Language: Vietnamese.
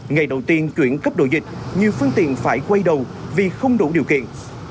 ngày đầu tiên chuyển cấp đồ dịch nhiều phương tiện phải quay đầu vì không đủ điều kiện